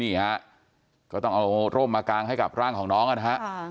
นี่ฮะก็ต้องเอาร่มมากางให้กับร่างของน้องนะฮะ